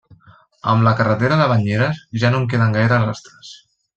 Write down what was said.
Amb la carretera de Banyeres, ja no en queden gaires rastres.